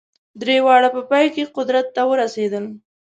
درې واړه په پای کې قدرت ته ورسېدل.